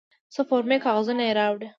څه فورمې کاغذونه یې راوړل.